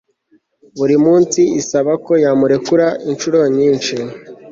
buri munsi isaba ko yamurekura inshuro nyinshi